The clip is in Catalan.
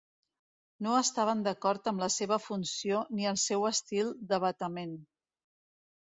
No estaven d'acord amb la seva funció ni el seu estil de batement.